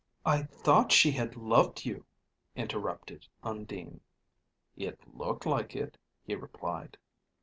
"I thought she had loved you," interrupted Undine. "It looked like it," he replied.